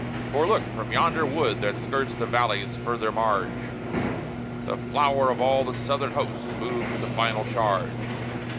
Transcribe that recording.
For look! from yonder wood that skirts the valley's further marge, The flower of all the Southern host move to the final charge.